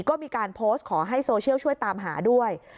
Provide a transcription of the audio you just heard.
ก็มีการโพสต์ขอให้โซเชียลช่วยตามหาด้วย